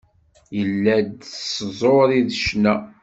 Yella-d s tẓuri d ccna.